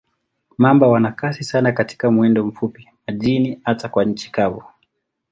Mamba wana kasi sana katika mwendo mfupi, majini na hata nchi kavu.